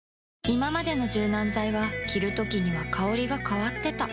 いままでの柔軟剤は着るときには香りが変わってた